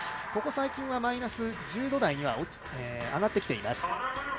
ここ最近はマイナス１０度台には上がってきています。